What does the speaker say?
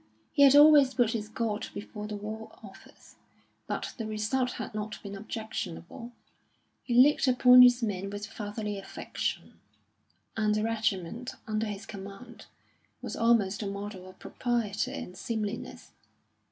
He had always put his God before the War Office, but the result had not been objectionable; he looked upon his men with fatherly affection, and the regiment, under his command, was almost a model of propriety and seemliness.